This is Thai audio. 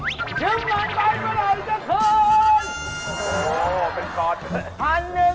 จึบบันไดเมื่อไหร่จะคืน